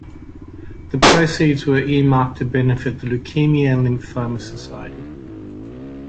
The proceeds were earmarked to benefit The Leukemia and Lymphoma Society.